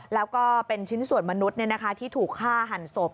แล้วก็เป็นชิ้นส่วนมนุษย์ที่ถูกฆ่าหันศพ